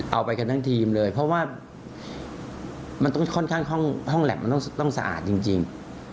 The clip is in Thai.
เอาไปกันทั้งทีมเลยเพราะว่ามันต้องค่อนข้างห้องแล็บมันต้องสะอาดจริง